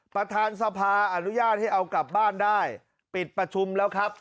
ประธานสภาอนุญาตให้เอากลับบ้านได้ปิดประชุมแล้วครับ